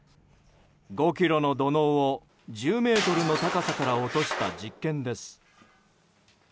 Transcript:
５ｋｇの土のうを１０ｍの高さから落とした実験です。